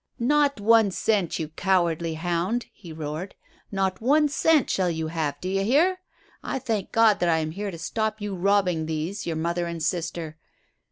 "Not one cent, you cowardly hound!" he roared. "Not one cent shall you have; do you hear? I thank God that I am here to stop you robbing these, your mother and sister."